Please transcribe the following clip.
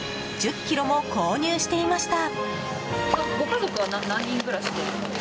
１０ｋｇも購入していました。